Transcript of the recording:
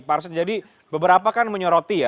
pak arsul jadi beberapa kan menyoroti ya